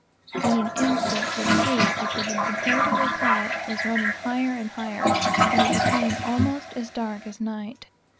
In an instant the sea, which had been comparatively quiet, was running higher and higher; and it became almost as dark as night.